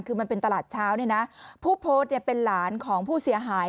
คือมันเป็นตลาดเช้าเนี่ยนะผู้โพสต์เนี่ยเป็นหลานของผู้เสียหาย